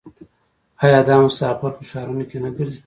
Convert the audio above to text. آیا دا مسافر په ښارونو کې نه ګرځي؟